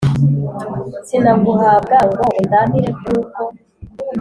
sinaguhabwa ngo undamire nkuko